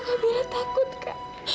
kamila takut kak